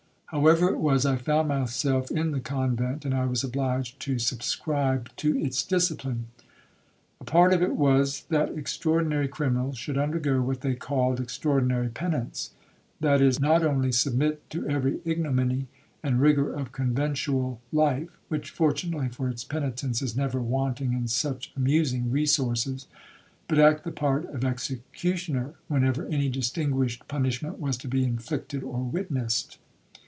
However it was, I found myself in the convent, and I was obliged to subscribe to its discipline. A part of it was, that extraordinary criminals should undergo what they called extraordinary penance; that is, not only submit to every ignominy and rigour of conventual life, (which, fortunately for its penitents, is never wanting in such amusing resources), but act the part of executioner whenever any distinguished punishment was to be inflicted or witnessed.